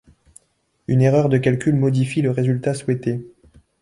une erreur de calcul modifie le résultat souhaité